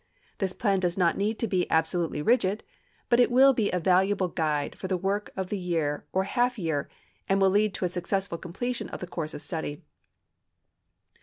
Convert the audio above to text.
This plan does not need to be absolutely rigid, but it will be a valuable guide for the work of the year or half year and will lead to a successful completion of the course of study.